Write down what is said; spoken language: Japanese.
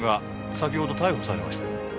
先ほど逮捕されましたよ